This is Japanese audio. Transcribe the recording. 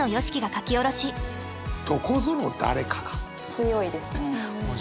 強いですね。